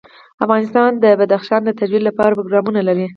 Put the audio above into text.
افغانستان د بدخشان د ترویج لپاره پروګرامونه لري.